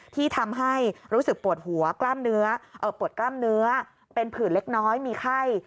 ที่ทำให้รู้สึกปวดหัวกล้ามเนื้อปวดกล้ามเนื้อเป็นผื่นเล็กน้อยมีไข้